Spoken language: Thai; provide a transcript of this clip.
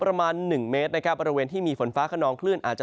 ประมาณหนึ่งเมตรนะครับบริเวณที่มีฝนฟ้าขนองคลื่นอาจจะ